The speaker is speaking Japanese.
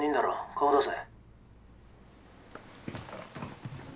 顔出せ。